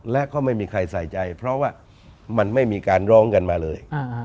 และก็ไม่มีใครใส่ใจเพราะว่ามันไม่มีการร้องกันมาเลย